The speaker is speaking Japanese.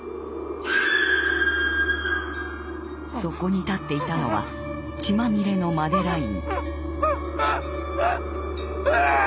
そこに立っていたのは血まみれのマデライン。